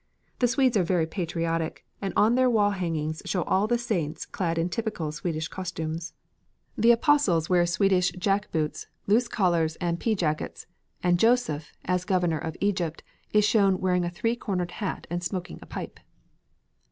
The Swedes are very patriotic, and on their wall hangings show all the saints clad in typical Swedish costumes. The apostles wear Swedish jack boots, loose collars, and pea jackets; and Joseph, as governor of Egypt, is shown wearing a three cornered hat and smoking a pipe.